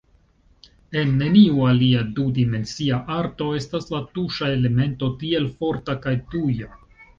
En neniu alia du-dimensia arto estas la tuŝa elemento tiel forta kaj tuja.